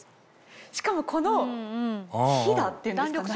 しかもこのヒダっていうんですか？